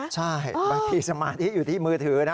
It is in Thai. ใช่บางทีสมาธิอยู่ที่มือถือนะ